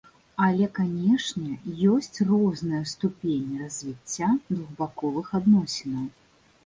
Але канечне, ёсць розныя ступені развіцця двухбаковых адносінаў.